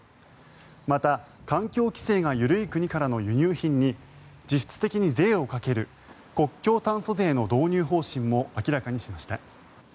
また、環境規制が緩い国からの輸入品に実質的に税をかける国境炭素税の導入方針も明らかにしました。